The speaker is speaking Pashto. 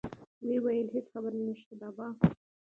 ويې ويل هېڅ خبره نشته بابا.